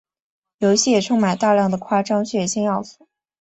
游戏也充满大量的夸张血腥要素。